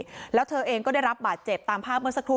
หรือว่าเธอเธอเองได้รับบาดเจ็บตามภาพเหมือนสักทู่